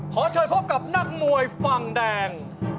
ขอเชิญพบกับนักมวยฝั่งแดง